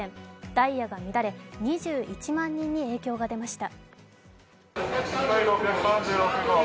ダイヤが乱れ、２１万人に影響が出ました。